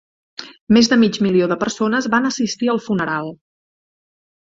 Més de mig milió de persones van assistir al funeral.